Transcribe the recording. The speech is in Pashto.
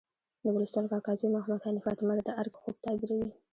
د ولسوال کاکا زوی محمد حنیف اتمر د ارګ خوب تعبیروي.